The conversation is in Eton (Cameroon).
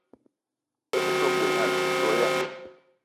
Be so g-beu gne assou toya.